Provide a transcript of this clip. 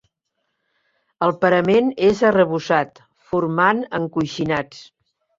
El parament és arrebossat, formant encoixinats.